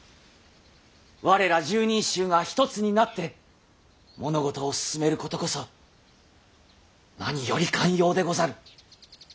我ら十人衆が一つになって物事を進めることこそ何より肝要でござる。